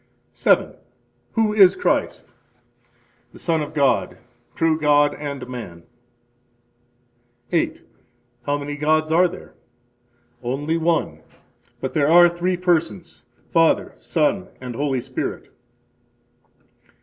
7. Who is Christ? The Son of God, true God and man. 8. How many Gods are there? Only one, but there are three persons: Father, Son, and Holy Spirit.